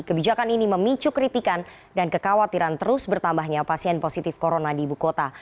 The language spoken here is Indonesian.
kebijakan ini memicu kritikan dan kekhawatiran terus bertambahnya pasien positif corona di ibu kota